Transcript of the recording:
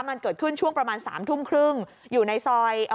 มันเกิดขึ้นช่วงประมาณ๓ทุ่มครึ่งอยู่ในซอย